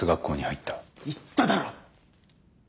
言っただろ。